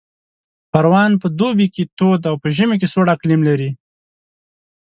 پروان په دوبي کې تود او په ژمي کې سوړ اقلیم لري